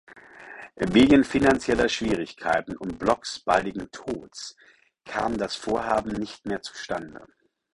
Wegen finanzieller Schwierigkeiten und Blocks baldigen Tods kam das Vorhaben nicht mehr zustande.